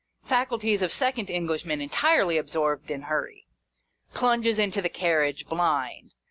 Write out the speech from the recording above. Faculties of second Englishman entirely absorbed in hurry. Plunges into the carriage, blind.